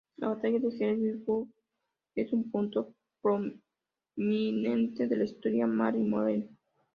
La Batalla de Gettysburg es un punto prominente de la historia; Mary muere.